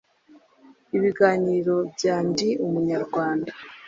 Ibiganiro bya Ndi Umunyarwanda